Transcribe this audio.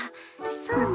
そうね。